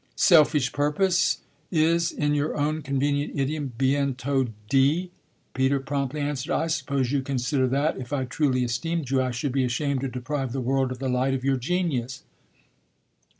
"'Selfish purpose' is, in your own convenient idiom, bientôt dit," Peter promptly answered. "I suppose you consider that if I truly esteemed you I should be ashamed to deprive the world of the light of your genius.